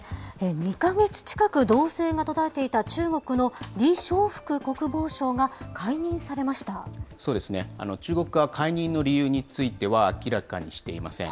２か月近く、動静が途絶えていた中国の李尚福国防相が解任されまそうですね、中国側は解任の理由については、明らかにしていません。